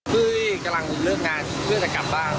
ที่กำลังเลิกงานเพื่อจะกลับบ้าน